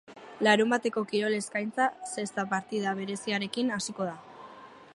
Larunbateko kirol eskaintzak zesta partida bereziarekin hasiko da.